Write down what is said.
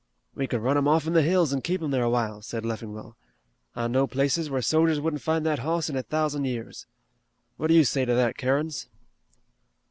"We could run him off in the hills an' keep him there a while," said Leffingwell. "I know places where sojers wouldn't find that hoss in a thousand years. What do you say to that, Kerins?"